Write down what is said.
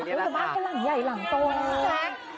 แต่บ้านก็หลังใหญ่หลังตัว